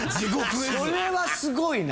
それはすごいな。